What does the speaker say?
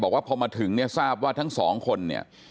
บอกว่าพอมาถึงเนี่ยทราบว่าทั้งสองคนเนี่ย